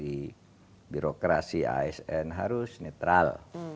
ya kalau tidak netral saya merupakan salah satu instrumen untuk menindak ke tidak netral